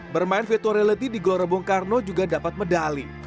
bermain virtual reality di glorabung karno juga dapat medali